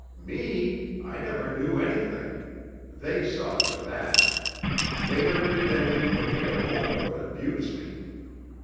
"Me! I never knew anything. They saw to that. They never did anything for me at home but abuse me.